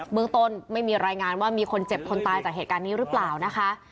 เมืองต้นไม่มีรายงานว่ามีคนเจ็บคนตายจากเหตุการณ์นี้หรือเปล่านะคะ